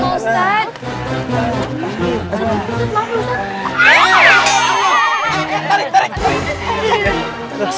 ustadz jangan gitu ustadz